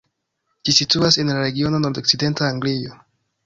Ĝi situas en la regiono nordokcidenta Anglio.